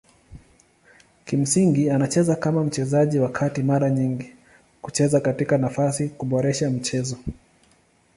Kimsingi anacheza kama mchezaji wa kati mara nyingi kucheza katika nafasi kuboresha mchezo.